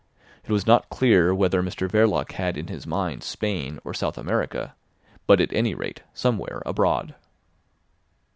It was not clear whether Mr Verloc had in his mind Spain or South America; but at any rate somewhere abroad.